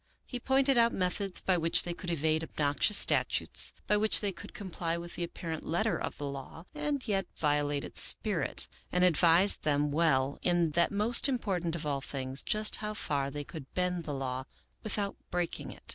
He pointed out methods by which they could evade obnoxious statutes, by which they could comply with the apparent let ter of the law and yet violate its spirit, and advised them well in that most important of all things, just how far they could bend the law without breaking it.